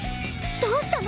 どうしたの？